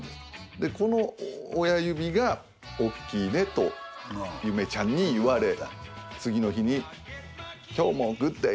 でこの親指が大きいねと夢ちゃんに言われ次の日に「今日もグッデイ！